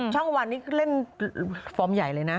ช่องวันนี่เล่นฟอร์มใหญ่เลยนะ